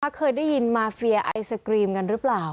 เคยได้ยินมาเฟียไอศกรีมกันหรือเปล่า